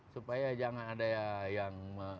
supaya jangan ada yang